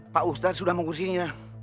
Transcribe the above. pak ustaz sudah mengurusinya